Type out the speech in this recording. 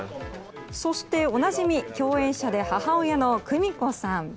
そしておなじみ共演者で母親の久美子さん。